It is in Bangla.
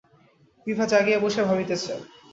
বিভা জাগিয়া বসিয়া ভাবিতেছে।